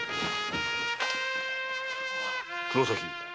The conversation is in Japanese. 黒崎。